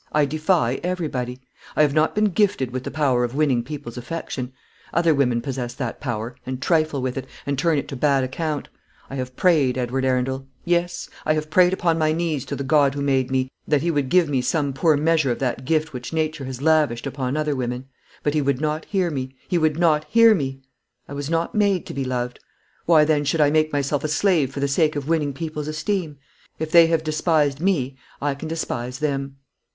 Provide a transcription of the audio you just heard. I defy everybody. I have not been gifted with the power of winning people's affection. Other women possess that power, and trifle with it, and turn it to bad account. I have prayed, Edward Arundel, yes, I have prayed upon my knees to the God who made me, that He would give me some poor measure of that gift which Nature has lavished upon other women; but He would not hear me, He would not hear me! I was not made to be loved. Why, then, should I make myself a slave for the sake of winning people's esteem? If they have despised me, I can despise them."